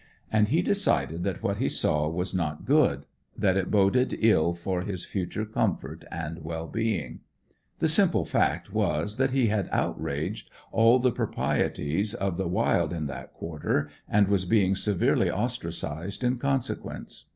And he decided that what he saw was not good, that it boded ill for his future comfort and well being. The simple fact was that he had outraged all the proprieties of the wild in that quarter, and was being severely ostracised in consequence.